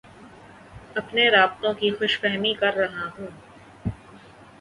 اپنے رابطوں کی خوش فہمی کررہا ہوں